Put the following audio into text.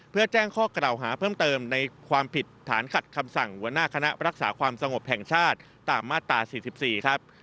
เพื่อแจ้งข้อกล่าวหาเพิ่มเติมในความผิดฐานขัดคำสั่งหัวหน้าคณะรักษาความสงบแห่งชาติตามมาตรา๔๔ครับ